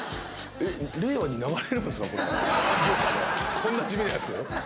こんな地味なやつ？